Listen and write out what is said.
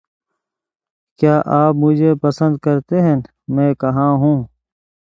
کیا آپ مجھے پسند کرتے ہیں؟ میں کہاں ہوں؟